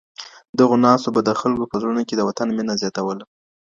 دغو ناستو به د خلکو په زړونو کي د وطن مینه زیاتوله.